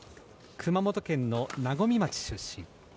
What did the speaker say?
熊本県の和水町出身。